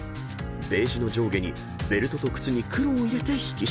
［ベージュの上下にベルトと靴に黒を入れて引き締める］